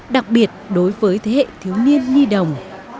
đặc biệt đối với thế hệ thiếu niên nhi đồng